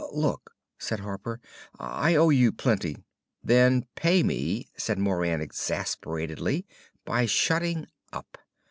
"Look!" said Harper. "I owe you plenty ." "Then pay me," said Moran, exasperatedly, "by shutting up!